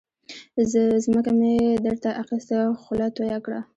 ځمکه مې در ته اخستې خوله تویه کړه.